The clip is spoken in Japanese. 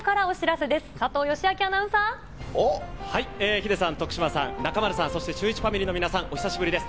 ヒデさん、徳島さん、中丸さん、そしてシューイチファミリーの皆さん、お久しぶりです。